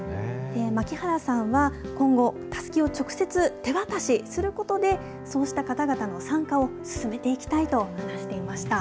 槙原さんは今後、たすきを直接手渡しすることで、そうした方々の参加を進めていきたいと話していました。